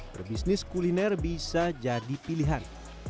berbisnis kuliner bisa jadi pilihan